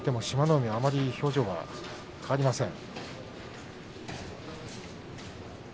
海はあまり表情が変わりません。